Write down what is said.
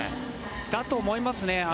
だと思います。